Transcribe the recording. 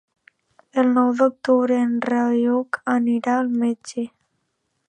El nou d'octubre en Rauric anirà al metge.